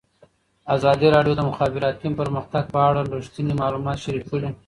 ازادي راډیو د د مخابراتو پرمختګ په اړه رښتیني معلومات شریک کړي.